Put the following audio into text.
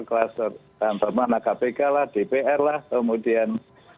kluster mana kpk lah dpr lah kemudian